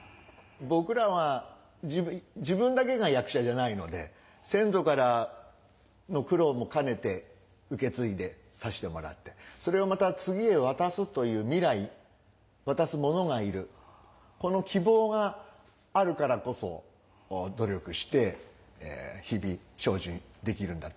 僕らは自分だけが役者じゃないので先祖からの苦労も兼ねて受け継いでさしてもらってそれをまた次へ渡すという未来渡す者がいるこの希望があるからこそ努力して日々精進できるんだと思います。